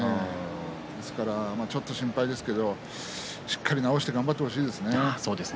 ちょっと心配ですけどしっかり治して頑張ってほしいですね。